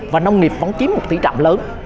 và nông nghiệp vẫn chiếm một tỷ trạm lớn